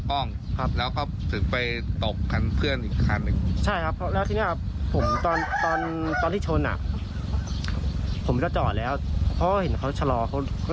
ผมไม่เบรกเนี่ยเผื่อเต็มเหมือนกันนะครับแล้วก็เราโดนตก